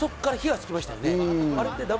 あそこから火がつきましたよね。